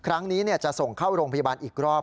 ครั้งนี้จะส่งเข้าโรงพยาบาลอีกรอบ